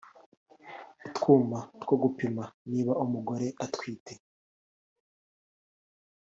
utwuma two gupima niba umugore atwite